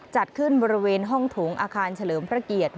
จัดขึ้นบริเวณห้องโถงอาคารเฉลิมพระเกียรติ